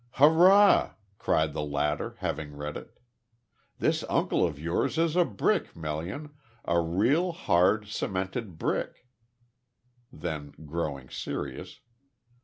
"Hurrah!" cried the latter, having read it. "This uncle of yours is a brick, Melian a real hard, cemented brick." Then growing serious.